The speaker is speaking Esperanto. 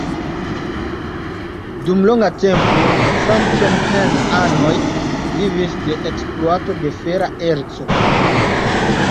Dum longa tempo la frankenhain-anoj vivis de ekspluato de fera erco.